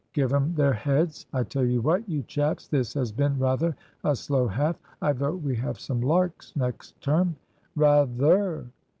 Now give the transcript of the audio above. Give 'em their heads! I tell you what, you chaps, this has been rather a slow half. I vote we have some larks next term." "Rather!"